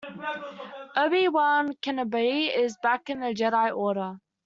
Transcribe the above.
Obi-Wan Kenobi is back in the Jedi Order.